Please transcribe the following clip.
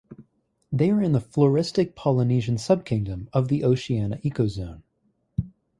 They are in the floristic Polynesian subkingdom of the Oceania ecozone.